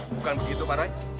bukan begitu pak rai